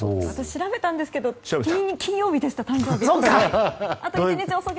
調べたんですけど金曜日でした。